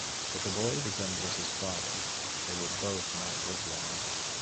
If a boy resembles his father, they will both not live long.